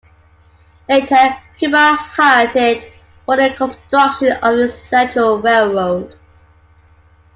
Later Cuba hired it for the construction of its Central Railroad.